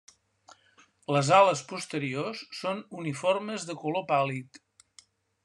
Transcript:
Les ales posteriors són uniformes de color pàl·lid.